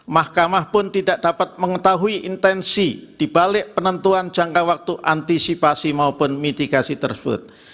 mahkamah pun tidak dapat mengetahui intensi dibalik penentuan jangka waktu antisipasi maupun mitigasi tersebut